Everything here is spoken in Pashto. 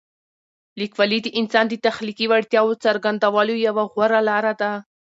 لیکوالی د انسان د تخلیقي وړتیاوو څرګندولو یوه غوره لاره ده.